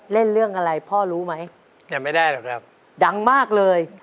เล่นเรื่องอะไรพ่อรู้ไหมจำไม่ได้หรอกครับดังมากเลย